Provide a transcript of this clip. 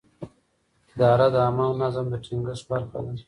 اداره د عامه نظم د ټینګښت برخه ده.